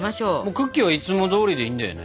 クッキーはいつもどおりでいいんだよね。